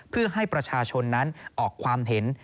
เพื่อให้ประชาชนนั้นออกความเห็น